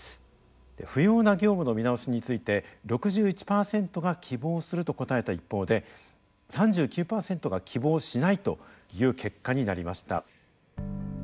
不要な業務の見直しについて６１％が希望すると答えた一方で３９％が希望しないという結果になりました。